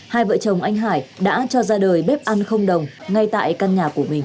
hai vợ chồng anh hải đã cho ra đời bếp ăn không đồng ngay tại căn nhà của mình